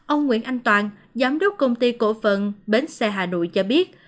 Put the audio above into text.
ông nguyễn anh toàn giám đốc công ty cổ phận bến xe hà nội cho biết